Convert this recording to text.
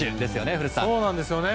古田さん。